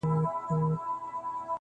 ستا له وېشه مي زړه شین دی له تش جامه -